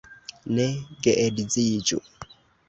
Ne geedziĝu.